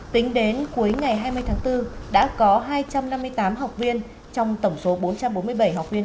tính đến cuối ngày hai mươi tháng bốn đã có hai trăm năm mươi tám học viên trong tổng số bốn trăm bốn mươi bảy học viên